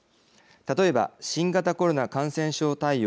例えば新型コロナ感染症対応